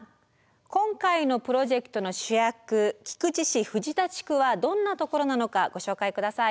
今回のプロジェクトの主役菊池市藤田地区はどんなところなのかご紹介下さい。